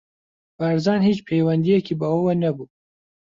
بارزان هیچ پەیوەندییەکی بەوەوە نەبوو.